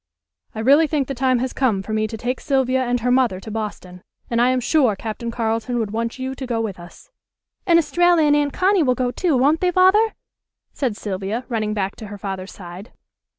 "I really think the time has come for me to take Sylvia and her mother to Boston, and I am sure Captain Carleton would want you to go with us." "And Estralla and Aunt Connie will go, too; won't they, Father?" said Sylvia, running back to her father's side.